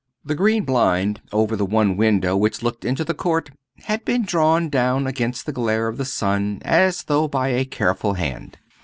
The green blind over the one window which looked into the court, had been drawn down against the glare of the sun, as though by a careful hand.